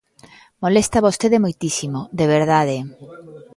¡Molesta vostede moitísimo, de verdade!